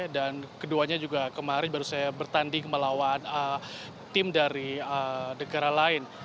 dan keduanya juga kemarin baru saya bertanding melawan tim dari negara lain